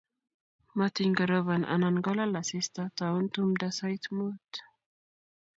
Matiny koropon anan kolal asista, taun tumndo sait mut.